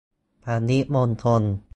ปริมณฑล